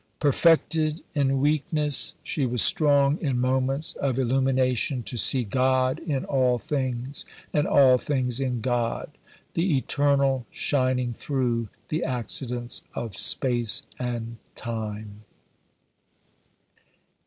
Perfected in weakness, she was strong in moments of illumination "to see God in all things, and all things in God, the Eternal shining through the accidents of space and time."